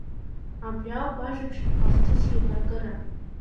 Абри ауп ажәабжь ахҭысеибаркыра.